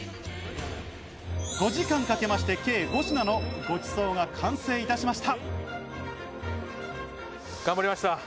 ５時間かけまして計５品のごちそうが完成いたしました。